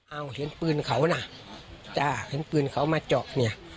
เอาเห็นปืนเขาน่ะจ้ะเห็นปืนเขามาเจาะเนี่ย